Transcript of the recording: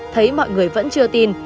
thấy mọi người vẫn chưa tin